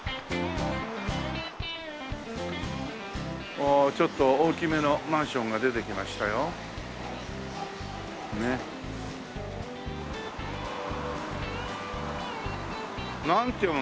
ああちょっと大きめのマンションが出てきましたよ。なんて読むの？